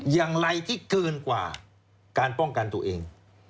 อย่างไรที่เกินกว่าการป้องกันตัวเอง